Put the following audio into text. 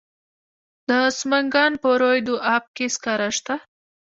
د سمنګان په روی دو اب کې سکاره شته.